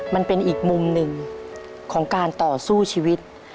มันเป็นอีกมุมหนึ่งของการต่อสู้ชีวิต